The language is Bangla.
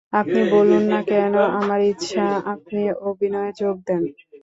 আপনি বলুন-না কেন, আমার ইচ্ছা, আপনি অভিনয়ে যোগ দেন।